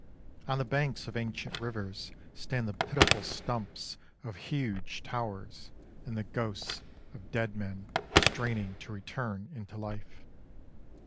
On the banks of ancient rivers stand the pitiful stumps of huge towers and the ghosts of dead men straining to return into life.